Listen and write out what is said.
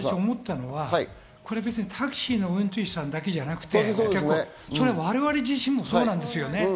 私、思ったのはタクシーの運転手たけじゃなくて、我々自身もそうなんですよね。